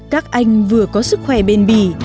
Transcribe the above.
các anh vừa có sức khỏe bền bì